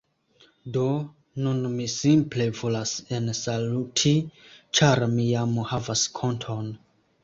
Do, nun mi simple volas ensaluti ĉar mi jam havas konton